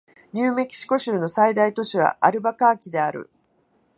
ニューメキシコ州の最大都市はアルバカーキである